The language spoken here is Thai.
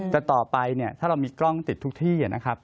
แต่ต่อไปเนี่ยถ้าเรามีกล้องติดทุกที่นะครับ